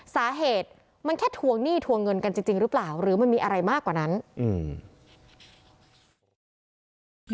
สาเหตุมันแค่ทวงหนี้ทวงเงินกันจริงจริงหรือเปล่าหรือมันมีอะไรมากกว่านั้นอืม